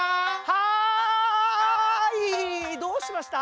はいどうしました？